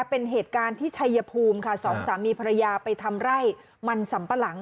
เป็นเหตุการณ์ที่ชัยภูมิค่ะสองสามีภรรยาไปทำไร่มันสัมปะหลัง